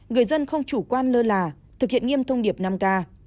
người dân không chủ quan lơ là thực hiện nghiêm thông điệp năm k